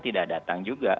tidak datang juga